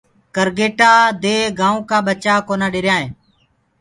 ڪرگيٽآ دي گآيوُنٚ ڪآ ٻچآ ڪونآ ڏريآئينٚ۔